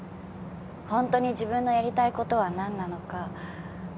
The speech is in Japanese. ホントに自分のやりたいことは何なのか。